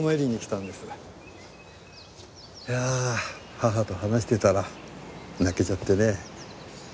いやあ母と話してたら泣けちゃってね。